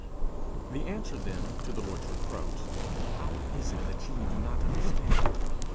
The answer then to the Lord's reproach, 'How is it that ye do not understand?'